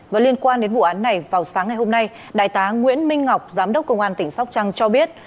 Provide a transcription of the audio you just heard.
và liên quan đến vụ án này vào sáng ngày hôm nay đại tá nguyễn minh ngọc giám đốc công an tỉnh sóc trăng cho biết